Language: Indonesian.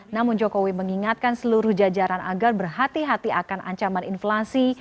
namun jokowi mengingatkan seluruh jajaran agar berhati hati akan ancaman inflasi